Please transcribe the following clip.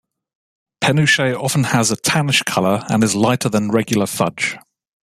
Penuche often has a tannish color, and is lighter than regular fudge.